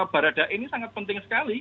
barada ini sangat penting sekali